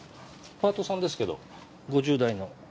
パートさんですけど５０代の。